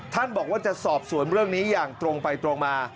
ท่านบอกว่าจะสอบสวนเรื่องนี้อย่างตรงไปตรงมา